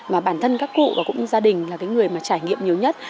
mà bản thân các cụ và cũng như gia đình là cái người mà trải nghiệm nhiều nhất